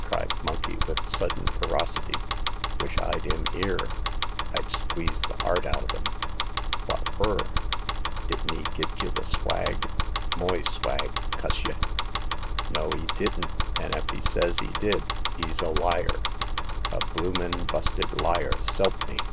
*' cried Monkey, with sudden ferocity. "Wish Td 'im *ere; Fd squeeze the 'cart out o* him !" '*Wot fur? Didn't *e git y* the swag— moy swag — cuss y' ?"" No, 'e didn't ; an' ef 'e ses 'e did, 'e's a liar — a bloomin* busted Har, s'elp me!